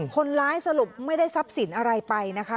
คนร้ายสรุปไม่ได้ซับสินอะไรไปนะคะ